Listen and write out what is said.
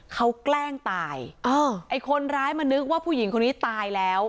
เขาแกล้งตายเออไอ้คนร้ายมานึกว่าผู้หญิงคนนี้ตายแล้ว